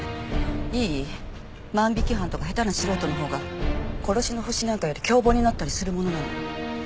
万引き犯とか下手な素人のほうが殺しのホシなんかより凶暴になったりするものなの。